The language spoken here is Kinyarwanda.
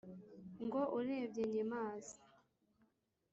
Ngo urebye Nyemazi